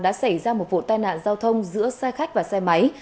đã xảy ra một vụ tai nạn giao thông giữa xe khách và xe máy